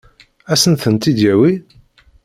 Ad sent-tent-id-yawi?